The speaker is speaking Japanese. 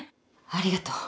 ありがとう。